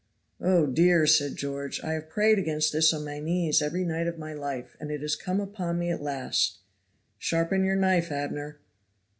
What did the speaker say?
"Oh dear!" said George, "I have prayed against this on my knees every night of my life, and it is come upon me at last. Sharpen your knife, Abner."